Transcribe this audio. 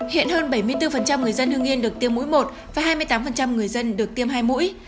hiện hơn bảy mươi bốn người dân hương yên được tiêm mũi một và hai mươi tám người dân được tiêm hai mũi